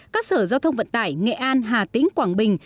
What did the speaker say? các sở giao thông vận tải nghệ an hà tĩnh quảng bình